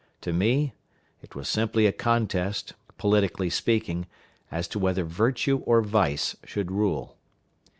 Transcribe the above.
To me it was simply a contest, politically speaking, as to whether virtue or vice should rule.